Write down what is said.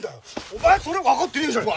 お前それ分かってねえじゃん。